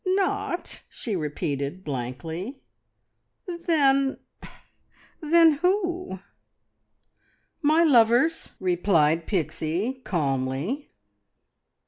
"Not!" she repeated blankly. "Then then who?" "My lovers!" replied Pixie calmly.